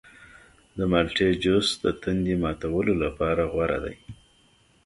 د مالټې جوس د تندې ماته کولو لپاره غوره دی.